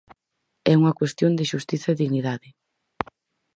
É unha cuestión de xustiza e dignidade.